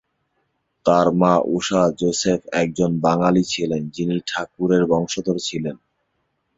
তাঁর মা উষা জোসেফ একজন বাঙালি ছিলেন, যিনি ঠাকুরের বংশধর ছিলেন।